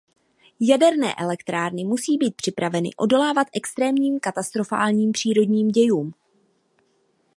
Jaderné elektrárny musí být připraveny odolávat extrémním katastrofálním přírodním dějům.